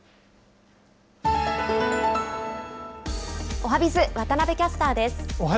おはＢｉｚ、渡部キャスターです。